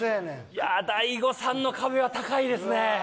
いや大悟さんの壁は高いですね。